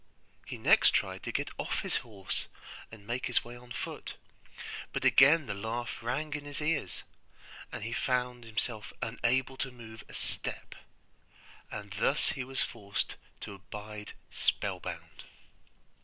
He next tried to get off his horse and make his way on foot, but again the laugh rang in his ears, and he found himself unable to move a step, and thus he was forced to abide spellbound.